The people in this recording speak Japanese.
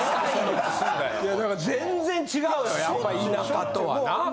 だから全然違うのよやっぱ田舎とはな。